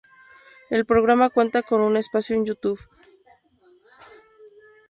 El programa cuenta con un espacio en Youtube.